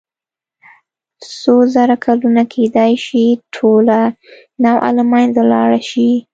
څو زره کلونه کېدای شي ټوله نوعه له منځه لاړه شي.